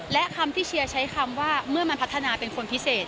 และคำที่เชียร์ใช้คำว่าเมื่อมันพัฒนาเป็นคนพิเศษ